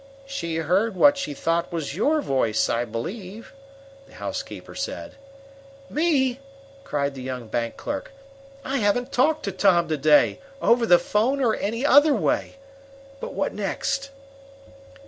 "She heard what she thought was your voice, I believe," the housekeeper said. "Me!" cried the young bank clerk. "I haven't talked to Tom to day, over the phone or any other way. But what next?"